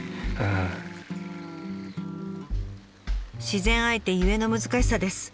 自然相手ゆえの難しさです。